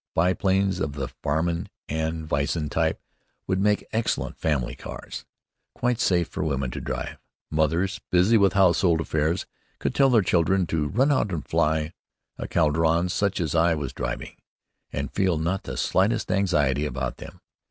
Biplanes of the Farman and Voisin type would make excellent family cars, quite safe for women to drive. Mothers, busy with household affairs, could tell their children to "run out and fly" a Caudron such as I was driving, and feel not the slightest anxiety about them.